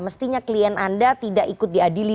mestinya klien anda tidak ikut diadili